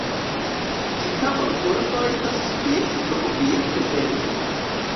Tipa vortordo estas Subjekto Objekto Verbo.